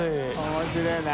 面白いな。